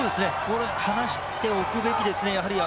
離しておくべきですね